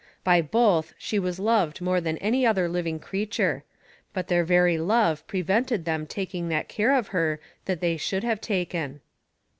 By both she was loved more than any other living creature; but their very love prevented them taking that care of her they should have taken.